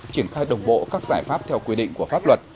triển khai đồng bộ các giải pháp theo quy định của pháp luật